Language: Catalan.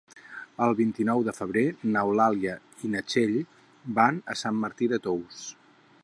El vint-i-nou de febrer n'Eulàlia i na Txell van a Sant Martí de Tous.